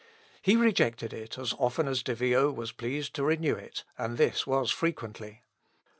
He rejected it as often as De Vio was pleased to renew it, and this was frequently.